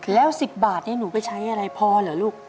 แล้ว๑๐บาทนี่หนูไปใช้อะไรพอเหรอลูก